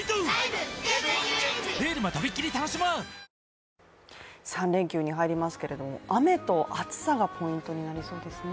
んっ３連休に入りますけど、雨と暑さがポイントになりそうですね。